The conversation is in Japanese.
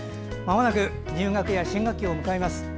まもなく入学や新学期を迎えます。